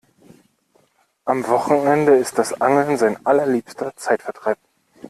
Am Wochenende ist das Angeln sein allerliebster Zeitvertreib.